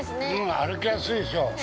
歩きやすいでしょう。